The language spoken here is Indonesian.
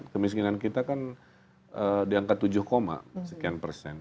kemiskinan kita kan diangkat tujuh sekian persen